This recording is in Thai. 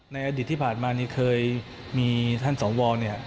ในอดีตที่ผ่านมานี่เคยมีท่านสวเนี่ย